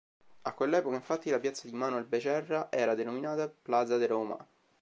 A quell'epoca, infatti, la piazza di Manuel Becerra era denominata Plaza de Roma.